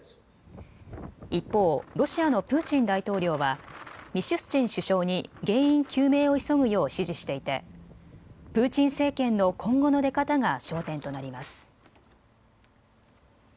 一方ロシアのプーチン大統領はミシュスチン首相に原因究明を急ぐよう指示していてプーチン政権の今後の出方が焦点となります。